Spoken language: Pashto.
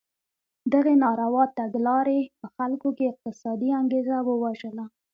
دغې ناروا تګلارې په خلکو کې اقتصادي انګېزه ووژله.